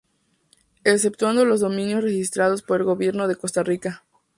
Exceptuando los dominios restringidos por el gobierno de Costa Rica.